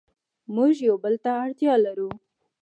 موږ یو بل ته اړتیا لرو.